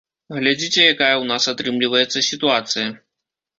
Глядзіце, якая ў нас атрымліваецца сітуацыя.